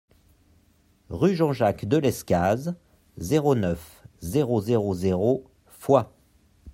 Rue Jean Jacques Delescazes, zéro neuf, zéro zéro zéro Foix